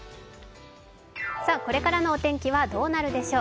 これからのお天気はどうなるでしょう？